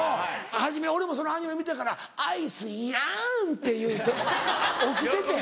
初め俺もそのアニメ見たから「アイスいやん」って言うて起きててん。